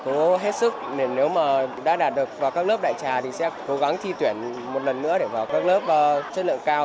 nó hết sức nếu mà đã đạt được vào các lớp đại trà thì sẽ cố gắng thi tuyển một lần nữa để vào các lớp chất lượng cao